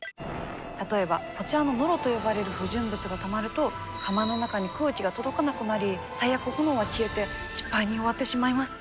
例えばこちらの「ノロ」と呼ばれる不純物がたまると釜の中に空気が届かなくなり最悪炎は消えて失敗に終わってしまいます。